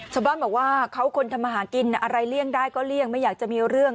ชาวบ้านบอกว่าเขาคนทำมาหากินอะไรเลี่ยงได้ก็เลี่ยงไม่อยากจะมีเรื่อง